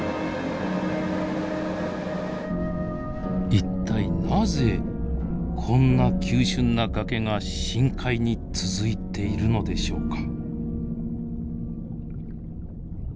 一体なぜこんな急峻な崖が深海に続いているのでしょうか。